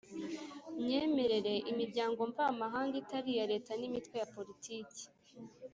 Myemerere imiryango mvamahanga itari iya leta n imitwe ya politiki